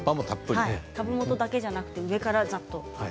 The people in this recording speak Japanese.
株元だけじゃなくて上からざっと。